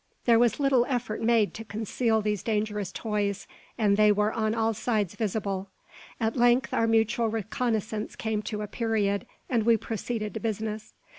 There was little effort made to conceal these dangerous toys, and they were on all sides visible. At length our mutual reconnaissance came to a period, and we proceeded to business.